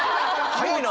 早いな！